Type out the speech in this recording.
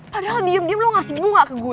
padahal diem diem lo ngasih bunga ke gue